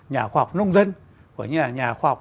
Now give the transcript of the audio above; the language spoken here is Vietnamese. nhà khoa học nông dân nhà khoa học